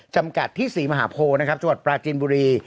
จำกัดที่๔มหาโพลจังหวัดปราจินบุรี